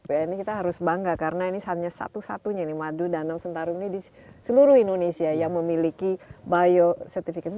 ya ini kita harus bangga karena ini hanya satu satunya nih madu danau sentarum ini di seluruh indonesia yang memiliki bio certifikat